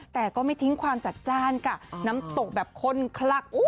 แต่ก็ไม่ทิ้งความจัดจ้านค่ะน้ำตกแบบคนคลัก